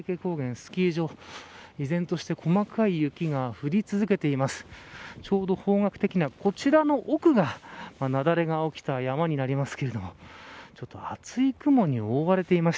スキー場依然として細かい雪が降り続けています。